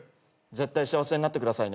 絶対幸せになってくださいね。